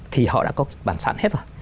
thì họ đã có bản sẵn hết rồi